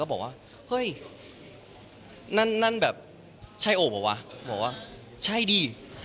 ก็บอกว่าเฮ้ยนั่นแบบใช่โอปเหรอบอกว่าใช่ดี